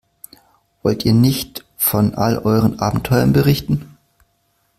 Wollt ihr nicht von all euren Abenteuern berichten?